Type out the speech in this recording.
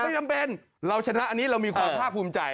จำเป็นเราชนะอันนี้เรามีความภาคภูมิใจ